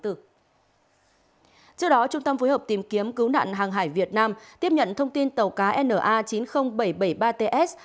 trước đó trung tâm phối hợp tìm kiếm cứu nạn hàng hải việt nam tiếp nhận thông tin tàu cá na chín mươi nghìn bảy trăm bảy mươi ba ts